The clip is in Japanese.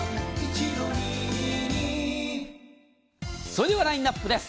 それではラインナップです。